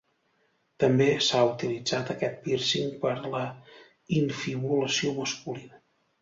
També s'ha utilitzat aquest pírcing per la infibulació masculina.